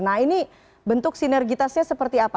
nah ini bentuk sinergitasnya seperti apa